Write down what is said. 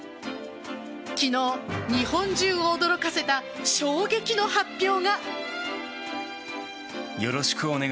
昨日、日本中を驚かせた衝撃の発表が。